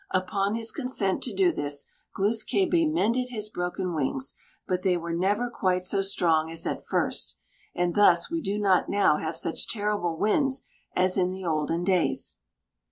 Upon his consent to do this, Glūs kābé mended his broken wings; but they were never quite so strong as at first, and thus we do not now have such terrible winds as in the olden days.